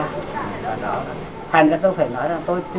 thành ra tôi phải nói là tôi tuy là người huế nhưng tôi rất tự hào